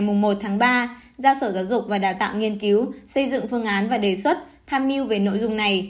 ra sở giáo dục và đào tạo nghiên cứu xây dựng phương án và đề xuất tham mưu về nội dung này